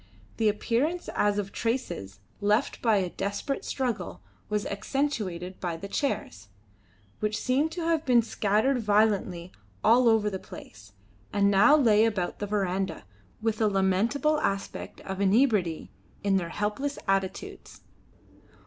The appearance as of traces left by a desperate struggle was accentuated by the chairs, which seemed to have been scattered violently all over the place, and now lay about the verandah with a lamentable aspect of inebriety in their helpless attitudes.